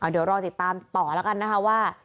เดี๋ยวรอติดตามต่อแล้วกันนะคะว่า